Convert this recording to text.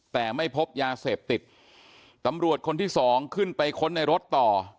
แต่ไม่พบยาเสพติดตำรวจคนที่สองขึ้นไปค้นในรถต่อ